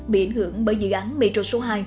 bị ảnh hưởng bởi dự án metro số hai